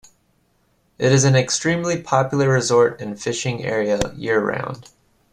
It is an extremely popular resort and fishing area year round.